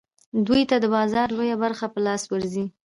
دوی ته د بازار لویه برخه په لاس ورځي